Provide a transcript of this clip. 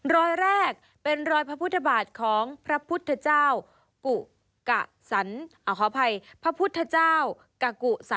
รอยแรกเป็นรอยพระพุทธบาทของพระพุทธเจ้ากุสันทะกุสะ